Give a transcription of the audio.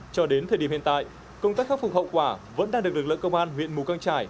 cho đến thời điểm hiện tại công tác khắc phục hậu quả vẫn đang được lực lượng công an huyện mù căng trải